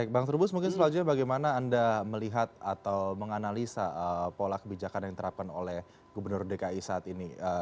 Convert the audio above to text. bang trubus mungkin selanjutnya bagaimana anda melihat atau menganalisa pola kebijakan yang diterapkan oleh gubernur dki saat ini